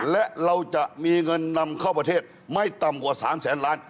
และเราจะมีเงินนำเข้าประเทศไม่ต่ำกว่า๓แสนล้าน